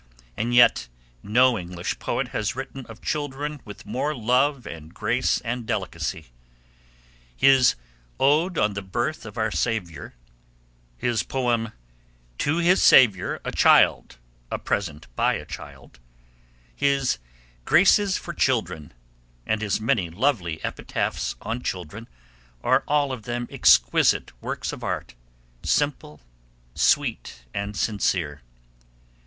And yet no English poet has written of children with more love and grace and delicacy. His Ode on the Birth of Our Saviour, his poem To His Saviour, A Child: A Present by a Child, his Graces for Children, and his many lovely epitaphs on children are all of them exquisite works of art, simple, sweet and sincere.